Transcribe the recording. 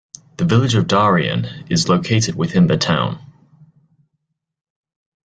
The Village of Darien is located within the town.